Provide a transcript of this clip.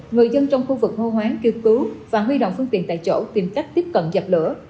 người dân trong khu vực hô hoáng kêu cứu và huy động phương tiện tại chỗ tìm cách tiếp cận dập lửa